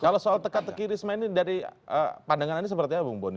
kalau soal tekat tekir risma ini dari pandangan anda seperti apa pak boni